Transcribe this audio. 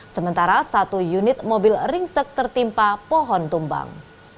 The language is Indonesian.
sementara satu unit mobil ringsek tertimpa pohon tumbang